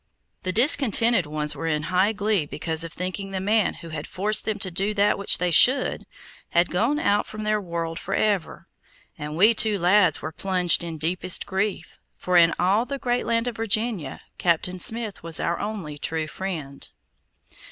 The discontented ones were in high glee because of thinking the man who had forced them to do that which they should, had gone out from their world forever, and we two lads were plunged in deepest grief, for in all the great land of Virginia, Captain Smith was our only true friend.